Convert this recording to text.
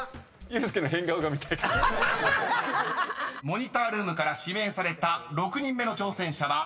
［モニタールームから指名された６人目の挑戦者は］